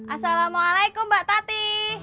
assalamu'alaikum mbak tati